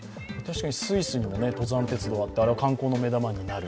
スイスにも登山鉄道があってあれは観光の目玉になる。